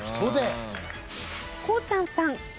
こうちゃんさん。